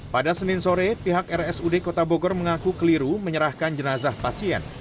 pada senin sore pihak rsud kota bogor mengaku keliru menyerahkan jenazah pasien